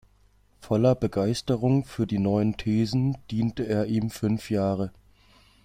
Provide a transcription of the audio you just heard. Voller Begeisterung für die neuen Thesen, diente er ihm fünf Jahre.